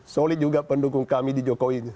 solid juga pendukung kami di jokowi